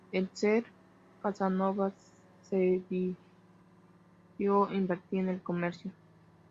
El Sr. Casanova decidió invertir en el comercio.